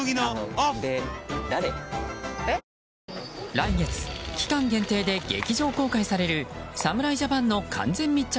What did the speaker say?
来月期間限定で劇場公開される侍ジャパンの完全密着